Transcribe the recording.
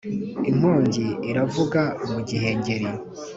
inkongi iravuga mu gihengeri